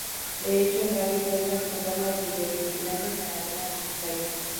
De hecho, el barrio cuenta con cámaras de videovigilancia en algunas de sus calles.